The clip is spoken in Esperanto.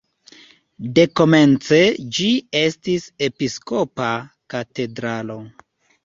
Dekomence ĝi estis episkopa katedralo.